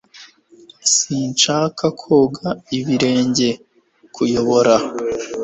Sinshaka koga ibirenge. (_kuyobora)